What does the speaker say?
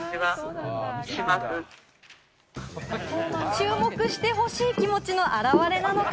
注目してほしい気持ちの表れなのか？